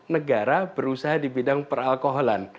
negara berusaha di bidang peralkoholan